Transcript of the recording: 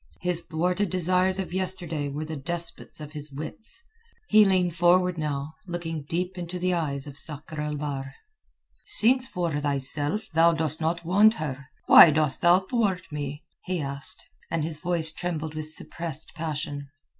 His thwarted desires of yesterday were the despots of his wits. He leaned forward now, looking deep into the eyes of Sakr el Bahr. "Since for thyself thou dost not want her, why dost thou thwart me?" he asked, and his voice trembled with suppressed passion.